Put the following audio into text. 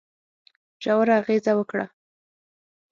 ژوره اغېزه وکړه.